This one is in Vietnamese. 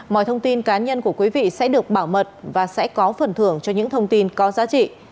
mọi thông tin cá nhân của quý vị sẽ được bảo mật và sẽ có phần thưởng cho những thông tin có giá trị